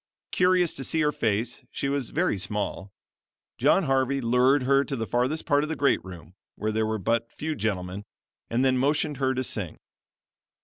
Curious to see her face she was very small John Harvey lured her to the farthest part of the great room where there were but few gentlemen, and then motioned her to sing.